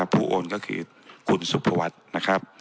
ผู้โอนก็คือคุณสุภวัฒน์